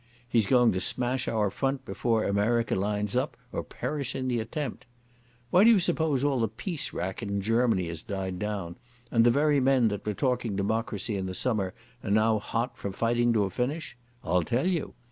He's going to smash our front before America lines up, or perish in the attempt.... Why do you suppose all the peace racket in Germany has died down, and the very men that were talking democracy in the summer are now hot for fighting to a finish? I'll tell you.